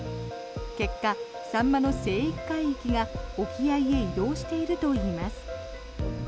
結果、サンマの生育海域が沖合へ移動しているといいます。